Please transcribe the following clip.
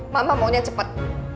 mama maunya cepet